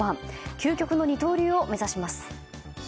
究極の二刀流を目指します。